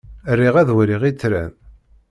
Riɣ ad waliɣ itran.